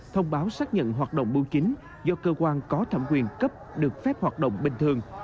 thông báo xác nhận hoạt động bưu chính do cơ quan có thẩm quyền cấp được phép hoạt động bình thường